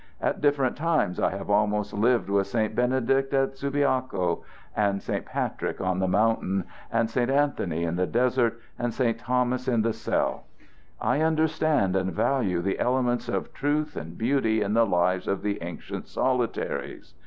At different times I have almost lived with St. Benedict at Subiaco, and St. Patrick on the mountain, and St. Anthony in the desert, and St. Thomas in the cell. I understand and value the elements of truth and beauty in the lives of the ancient solitaries.